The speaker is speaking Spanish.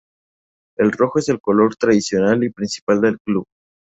El rojo es el color tradicional y principal del club.